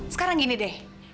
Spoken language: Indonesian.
sekarang gini deh